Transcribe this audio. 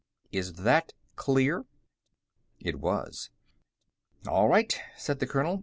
Is that clear?" It was. "All right," said the colonel.